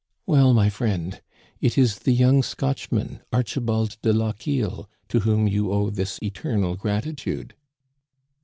" Well, my friend, it is the young Scotchman Archi bald de Lochiel to whom you owe this eternal grati tude."